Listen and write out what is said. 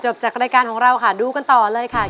จากรายการของเราค่ะดูกันต่อเลยค่ะ